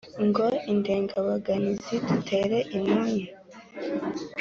ngo indengabaganizi dutere impunyu